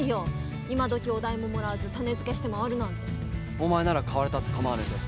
お前なら買われたって構わねえぜ。